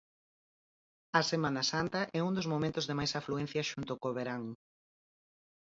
A Semana Santa é un dos momentos de máis afluencia xunto co verán.